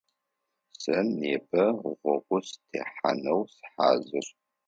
Сэ непэ гъогу сытехьанэу сыхьазыр.